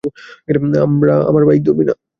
আমার বাইক ধরবি না।